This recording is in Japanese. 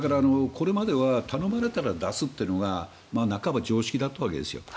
これまでは頼まれたら出すというのが半ば常識だったわけですよ。